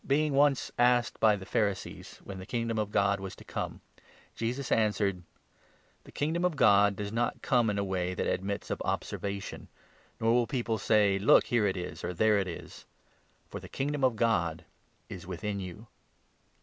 The comin Being once asked by the Pharisees when the 20 of the Kingdom of God was to come, Jesus answered : Kingdom. "The Kingdom of God does not come in a way that admits of observation, nor will people say 'Look, here 21 it is!' or 'There it is!'; for the Kingdom of God is within you